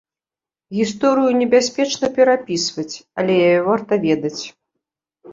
Гісторыю небяспечна перапісваць, але яе варта ведаць.